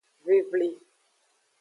Vivli.